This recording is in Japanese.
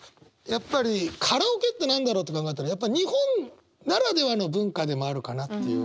やっぱりカラオケって何だろうって考えたらやっぱ日本ならではの文化でもあるかなっていう。